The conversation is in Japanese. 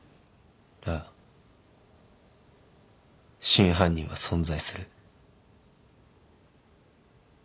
ああ真犯人は存在する。